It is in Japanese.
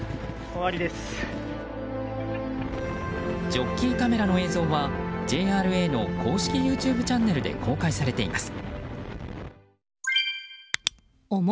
ジョッキーカメラの映像はＪＲＡの公式ＹｏｕＴｕｂｅチャンネルで公開されています。